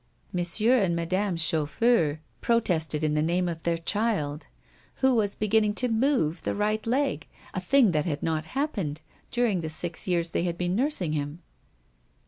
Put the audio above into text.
M. and Madame Chaufour protested in the name of their child, who was beginning to move the right leg, a thing that had not happened during the six years they had been nursing him.